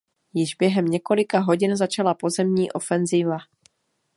Již během několika hodin začala pozemní ofenzíva.